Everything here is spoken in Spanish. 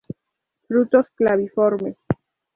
Frutos claviformes.